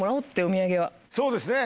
そうですね